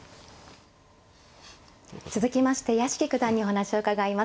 続きまして屋敷九段にお話を伺います。